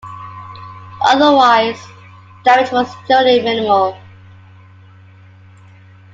Otherwise, damage was generally minimal.